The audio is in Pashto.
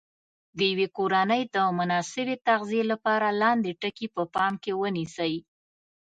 د یوې کورنۍ د مناسبې تغذیې لپاره لاندې ټکي په پام کې ونیسئ.